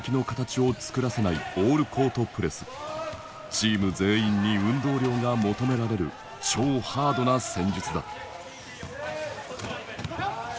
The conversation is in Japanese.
チーム全員に運動量が求められる超ハードな戦術だ。